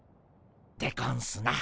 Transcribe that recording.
でゴンスな。